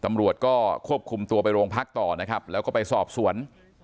ตำรวจก็ควบคุมตัวไปโรงพักต่อนะครับแล้วก็ไปสอบสวน